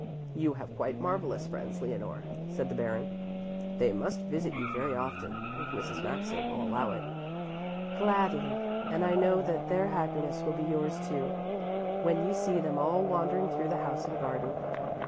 "You have quite marvellous friends, Leonore," said the Baron; "they must visit you very often, if Mrs. Maxa will allow it." "Gladly, and I know that their happiness will be yours, too, when you see them all wandering through the house and garden."